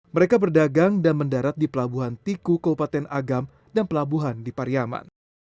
mereka berdagang dan mendarat di pelabuhan tiku kaupaten agam dan pelabuhan di pariaman